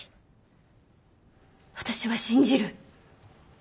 私は信じる。